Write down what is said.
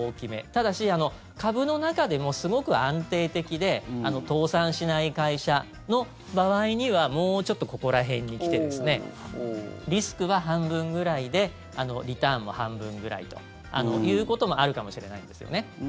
ただし、株の中でもすごく安定的で倒産しない会社の場合にはもうちょっとここら辺に来てリスクは半分ぐらいでリターンも半分ぐらいということもあるかもしれないんですよね。